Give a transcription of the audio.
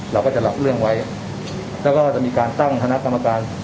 เราก็จะรับเรื่องไว้แล้วก็จะมีการตั้งคณะกรรมการ